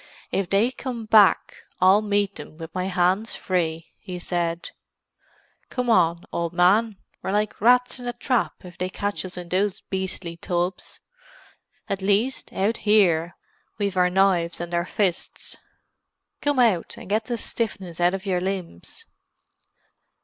"If they come back, I'll meet them with my hands free," he said. "Come on, old man; we're like rats in a trap if they catch us in those beastly tubs. At least, out here, we've our knives and our fists. Come out, and get the stiffness out of your limbs."